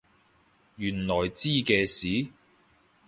原來知嘅事？